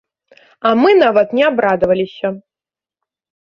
А мы нават не абрадаваліся!